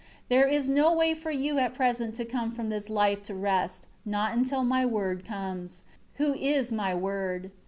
11 There is no way for you at present to come from this life to rest, not until My Word comes, who is My Word.